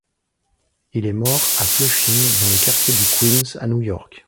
Il est mort à Flushing dans le quartier du Queens à New York.